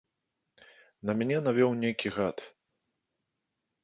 На мяне навёў нейкі гад.